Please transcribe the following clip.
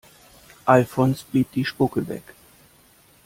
Alfons blieb die Spucke weg.